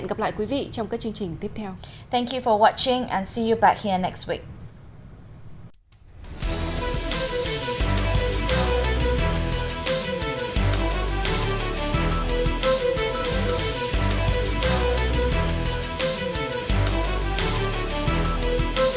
thưa quý vị chương trình tạp chí đối ngoại tuần này của chuyên hình nhân dân cũng xin được tạm dừng tại đây